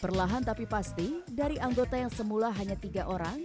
perlahan tapi pasti dari anggota yang semula hanya tiga orang